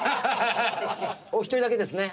お一人だけですね。